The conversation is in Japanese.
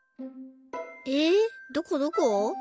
えっどこどこ？